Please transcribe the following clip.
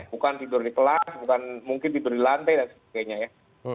bukan tidur di kelas bukan mungkin tidur di lantai dan sebagainya ya